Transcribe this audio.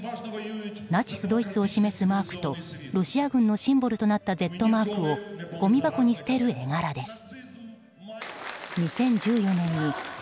ナチスドイツを示すマークとロシア軍のシンボルとなったＺマークをごみ箱に捨てる絵柄です。